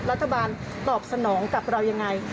รัฐบาลตอบสนองกับเรายังไง